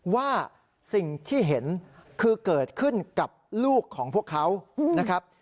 ว่าสิ่งที่เห็นคือเกิดขึ้นกับลูกของพวกเขานะครับ